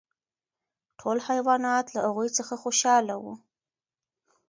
ټول حیوانات له هغوی څخه خوشحاله وو.